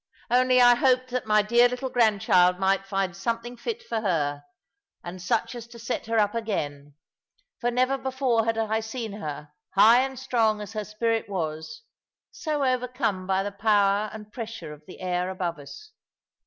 Only I hoped that my dear little grandchild might find something fit for her, and such as to set her up again; for never before had I seen her, high and strong as her spirit was, so overcome by the power and pressure of the air above us.